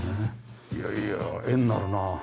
いやいや画になるな。